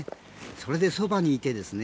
それで、そばにいてですね